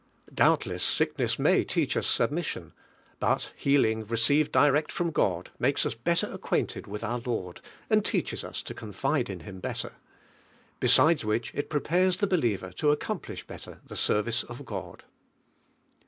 Doubtless sickness may teach us submission, but healing received direct from God makes us betler acquainted with our Lord, acid teaches us to confide in Him belter, lie DIVIME HEALING. Bides which it prepares the believer lo accomplish better the service of God.